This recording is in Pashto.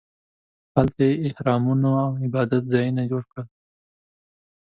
هلته یې اهرامونو او عبادت ځایونه جوړ کړل.